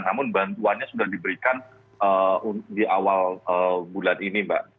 namun bantuannya sudah diberikan di awal bulan ini mbak